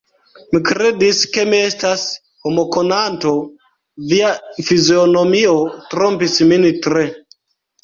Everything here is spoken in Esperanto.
Mi kredis, ke mi estas homokonanto; via fizionomio trompis min tre.